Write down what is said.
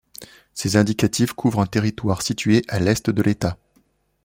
Ces indicatifs couvrent un territoire situé à l'est de l'État.